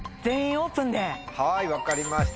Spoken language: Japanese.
はい分かりました。